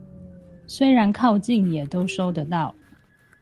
雖然靠近也都收得到